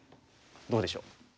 どうでしょう？